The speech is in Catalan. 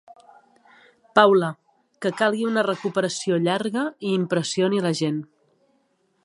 Paula–, que calgui una recuperació llarga i impressioni la gent.